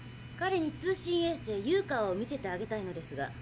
彼に通信衛星ユーカワを見せてあげたいのですが。